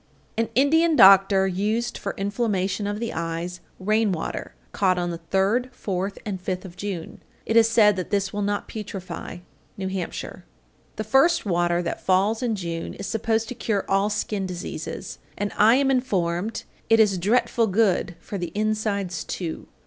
_ 841. An Indian doctor used for inflammation of the eyes rain water caught on the third, fourth, and fifth of June. It is said that this will not putrefy. New Hampshire. 842. The first water that falls in June is supposed to cure all skin diseases; and I am informed "it is dretful good for the insides, too."